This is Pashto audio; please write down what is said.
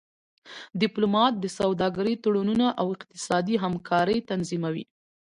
ډيپلومات د سوداګری تړونونه او اقتصادي همکاری تنظیموي.